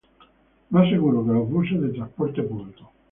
Más seguro que los buses de transporte público.